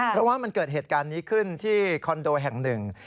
เพราะว่ามันเกิดเหตุการณ์นี้ขึ้นที่คอนโดแห่งหนึ่ง